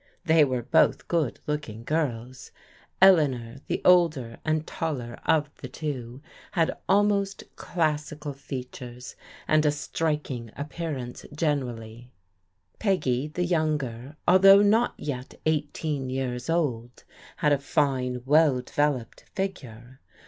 They were both good looking girls. Eleanor, the older and taller of the two, had almost classical features, and i6 THE OLD OEDER CHANGETH'' 17 a strikmg appearance generally. Peggy, the younger, al though not yet eighteen years old, had a fine well de veloped figure.